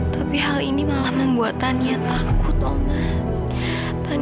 tapi hal ini malah membuat aku takut ibu